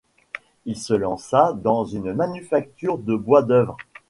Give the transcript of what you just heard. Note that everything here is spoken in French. Il se lance dans une manufacture de bois d'œuvre.